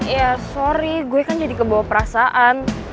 ya sorry gue kan jadi kebawa perasaan